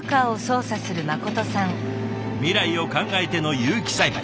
未来を考えての有機栽培。